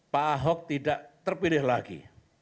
pak ahok tidak terpilih lagi